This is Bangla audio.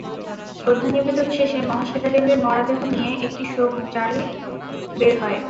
শ্রদ্ধা নিবেদন শেষে মহাশ্বেতা দেবীর মরদেহ নিয়ে একটি শোক র্যালি বের হয়।